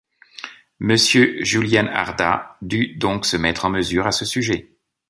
Monsieur Julian Ardagh dut donc se mettre en mesure à ce sujet.